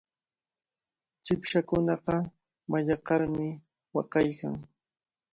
Chipshakunaqa mallaqanarmi waqaykan.